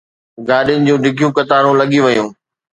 گاڏين جون ڊگهيون قطارون لڳي ويون.